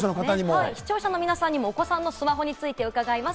視聴者の方にもお子さんのスマホについてお聞きします。